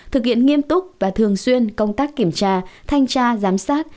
thực hiện nghiêm túc và thường xuyên công tác kiểm tra thanh tra giám sát